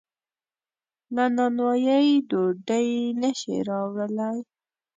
له نانوایۍ ډوډۍ نشي راوړلی.